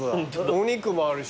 お肉もあるし。